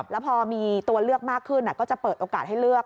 แล้วพอมีตัวเลือกมากขึ้นก็จะเปิดโอกาสให้เลือก